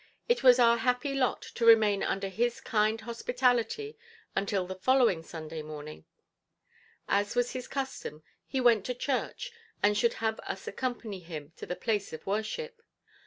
It was our happy lot to remain under his kind hospitality until the following Sunday morning. As was his custom, he went to church and should have us accompany him to the place of worship.